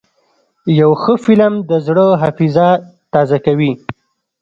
یو ښه فلم د زړه حافظه تازه کوي.